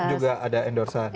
juga ada endorse an